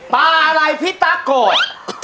ปลาอะไรพี่ตั๊กโกรธ